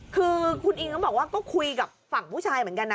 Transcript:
คือคุณอิงก็บอกว่าก็คุยกับฝั่งผู้ชายเหมือนกันนะ